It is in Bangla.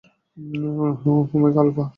Omega, alpha!